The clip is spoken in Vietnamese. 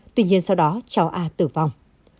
tuy nhiên sau đó cháu a tử vong